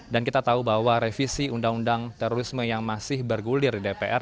dan kita tahu bahwa revisi undang undang terorisme yang masih bergulir di dpr